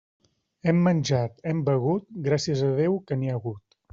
Hem menjat, hem begut, gràcies a Déu que n'hi ha hagut.